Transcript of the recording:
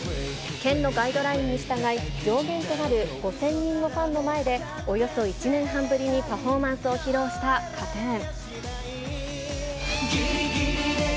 県のガイドラインに従い、上限となる５０００人のファンの前で、およそ１年半ぶりにパフォーマンスを披露したＫＡＴーＴＵＮ。